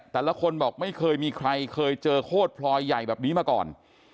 แต่ละคนบอกไม่เคยมีใครเคยเจอโคตรพลอยใหญ่แบบนี้มาก่อน